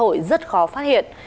với đủ các loại giao